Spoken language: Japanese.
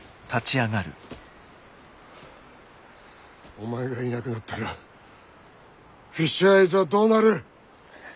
お前がいなくなったらフィッシュアイズはどうなる？